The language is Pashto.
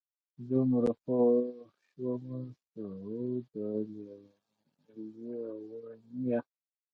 دومره پوه شومه سعوده لېونیه!